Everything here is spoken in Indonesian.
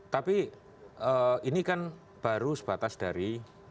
tapi ini kan baru sebatas dari